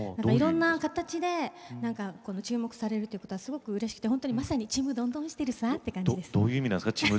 いろんな形で注目されるいうことはすごくうれしくてまさにちむどんどんしてるさという感じです。